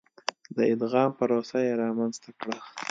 د ادغام پروسه یې رامنځته کړه.